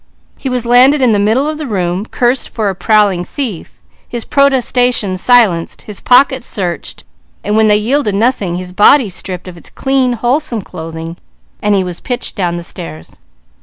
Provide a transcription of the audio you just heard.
He was landed in the middle of the room, cursed for a prowling thief, his protestations silenced, his pockets searched, and when they yielded nothing, his body stripped of its clean, wholesome clothing and he was pitched down the stairs.